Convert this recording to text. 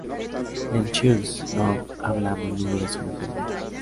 En "Cheers", Norm habla a menudo de su mujer Vera.